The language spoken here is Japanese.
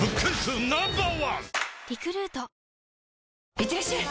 いってらっしゃい！